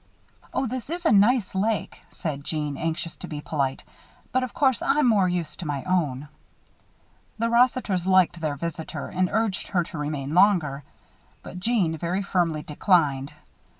"Oh, this is a nice lake," said Jeanne, anxious to be polite, "but, of course, I'm more used to my own." The Rossiters liked their visitor and urged her to remain longer; but Jeanne very firmly declined.